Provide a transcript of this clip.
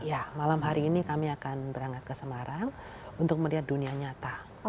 ya malam hari ini kami akan berangkat ke semarang untuk melihat dunia nyata